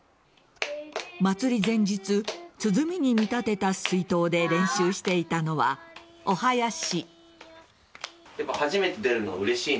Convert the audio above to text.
祭り前日、鼓に見立てた水筒で練習していたのはおはやし。